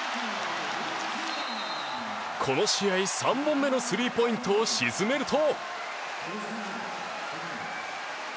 この試合、３本目のスリーポイントを沈めると。